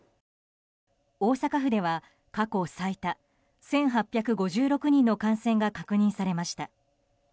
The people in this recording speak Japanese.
大阪府では過去最多１８５６人の感染が確認されました。